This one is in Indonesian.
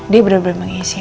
dia bener bener mengisi